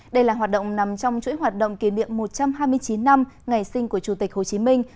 đây là hoạt động nằm trong chuỗi hoạt động kỷ niệm một trăm hai mươi chín năm ngày sinh của chủ tịch hồ chí minh